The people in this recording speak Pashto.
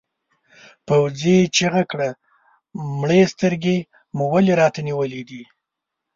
پوځي چیغه کړه مړې سترګې مو ولې راته نیولې دي؟